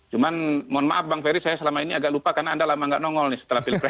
cuman mohon maaf bang ferry saya selama ini agak lupa karena anda lama nggak nongol nih setelah pilpres